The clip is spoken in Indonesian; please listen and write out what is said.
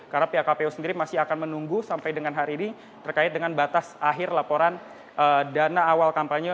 karena pihak kpu sendiri masih akan menunggu sampai dengan hari ini terkait dengan batas akhir laporan dana awal kampanye